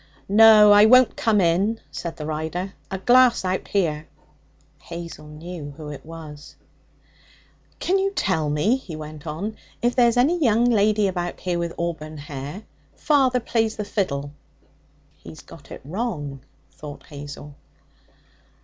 'No, I won't come in,' said the rider, 'a glass out here.' Hazel knew who it was. 'Can you tell me,' he went on, 'if there's any young lady about here with auburn hair? Father plays the fiddle.' 'He's got it wrong,' thought Hazel.